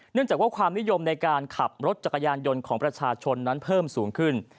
จากว่าความนิยมในการขับรถจักรยานยนต์ของประชาชนนั้นเพิ่มสูงขึ้น